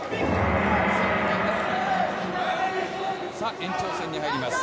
延長戦に入ります。